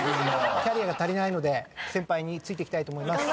キャリアが足りないので先輩についていきたいと思います。